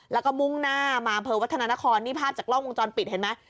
แล้วก็มุ่งหน้ามาอำเภอวัฒนานครนี่ภาพจากกล้องวงจรปิดเห็นไหม